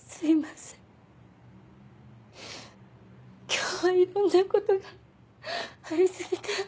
今日はいろんなことがあり過ぎて。